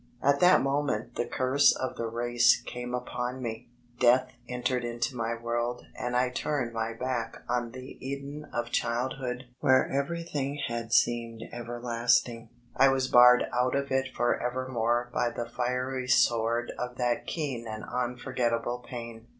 At that moment the curse of the race came upon me, "death entered into my world" and I turned my back on the Eden of childhood where everything had Digilized by Google seemed everlasting. I was barred out of it forevermore by the fiery sword of that keen and unforgettable pain.